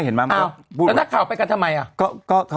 เห็นมั้ยแล้วนักข่าวไปกันทำไมอ่ะ